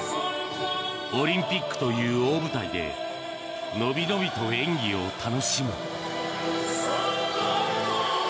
オリンピックという大舞台で伸び伸びと演技を楽しむ。